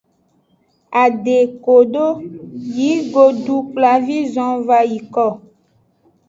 Ade kodo yi godukplavi zonvayiko.